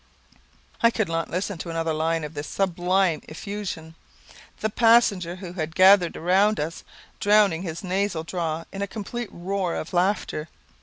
I could not listen to another line of this sublime effusion, the passengers who had gathered around us drowning his nasal drawl in a complete roar of laughter.